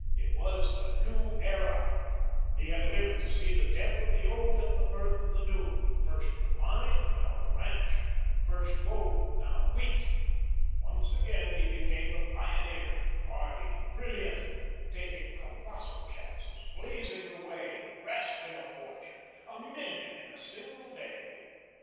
It was the new era. He had lived to see the death of the old and the birth of the new; first the mine, now the ranch; first gold, now wheat. Once again he became the pioneer, hardy, brilliant, taking colossal chances, blazing the way, grasping a fortune a million in a single day.